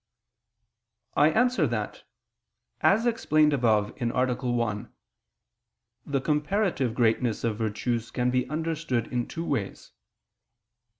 I answer that, As explained above (A. 1), the comparative greatness of virtues can be understood in two ways.